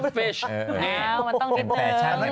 มันต้องเป็นเติม